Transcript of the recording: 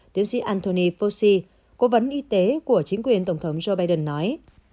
tiến sĩ anthony fosi cố vấn y tế của chính quyền tổng thống joe biden nói